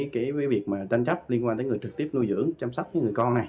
cái việc tranh chấp liên quan tới người trực tiếp nuôi dưỡng chăm sóc người con này